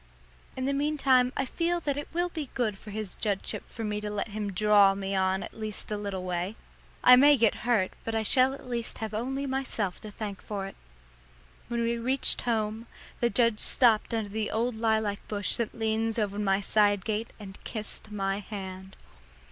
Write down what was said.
In the meantime I feel that it will be good for his judgeship for me to let him "draw" me at least a little way. I may get hurt, but I shall at least have only myself to thank for it. When we reached home, the judge stopped under the old lilac bush that leans over my side gate and kissed my hand.